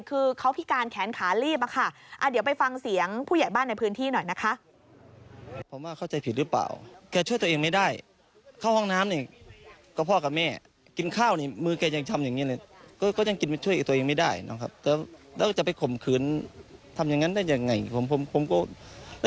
คือเขาพิการแขนขาลีบอะค่ะเดี๋ยวไปฟังเสียงผู้ใหญ่บ้านในพื้นที่หน่อยนะคะ